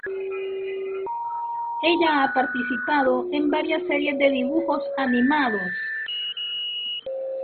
Ella ha participado en varias series de dibujos animados.